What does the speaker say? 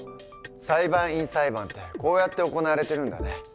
裁判員裁判ってこうやって行われてるんだね。